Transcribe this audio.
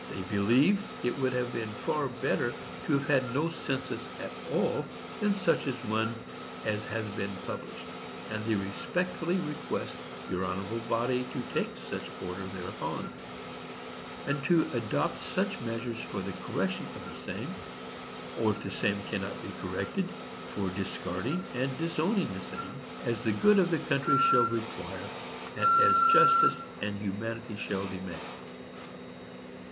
They believe it would have been far better to have had no census at all than such an one as has been published; and they respectfully request your honorable body to take such order thereon, and to adopt such measures for the correction of the same,—or, if the same cannot be corrected, for discarding and disowning the same,—as the good of the country shall require, and as justice and humanity shall demand.